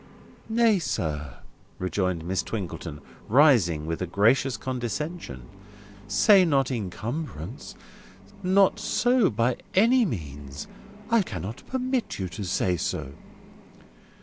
"Nay, sir," rejoined Miss Twinkleton, rising with a gracious condescension: "say not incumbrance. Not so, by any means. I cannot permit you to say so."